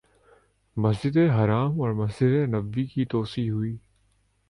مسجد حرام اور مسجد نبوی کی توسیع ہوئی